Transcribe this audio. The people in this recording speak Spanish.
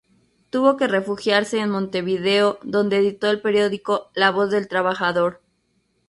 Tuvo que refugiarse en Montevideo, donde editó el periódico "La Voz del Trabajador".